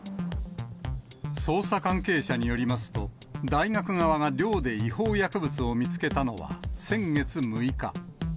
捜査関係者によりますと、大学側が寮で違法薬物を見つけたのは先月６日。